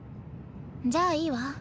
じゃあいいわ。